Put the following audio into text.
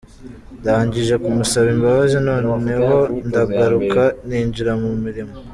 Ndangije kumusaba imbabazi noneho ndagaruka ninjira mu murimo.